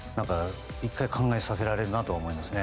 １回考えさせられるなとは思いますね。